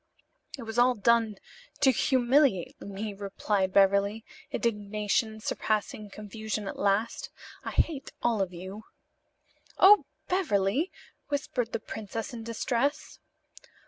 "It was all done to humiliate me," replied Beverly, indignation surpassing confusion at last. "I hate all of you." "Oh, Beverly!" whispered the princess, in distress.